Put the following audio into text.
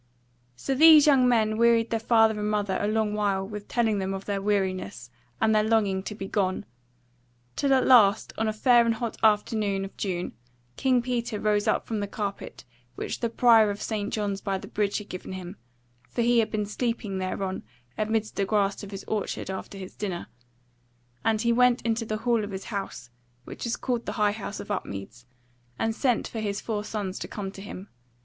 So these young men wearied their father and mother a long while with telling them of their weariness, and their longing to be gone: till at last on a fair and hot afternoon of June King Peter rose up from the carpet which the Prior of St. John's by the Bridge had given him (for he had been sleeping thereon amidst the grass of his orchard after his dinner) and he went into the hall of his house, which was called the High House of Upmeads, and sent for his four sons to come to him.